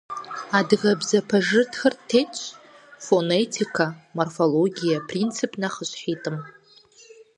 Адыгэбзэ пэжырытхэр тетщ фонетикэ, морфологие принцип нэхъыщхьитӏым.